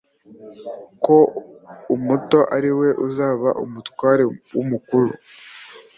ko umuto ariwe uzaba umutware w'umukuru.